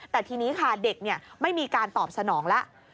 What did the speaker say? แต่ทีนี้ค่ะเด็กไม่มีการตอบสนองแล้ว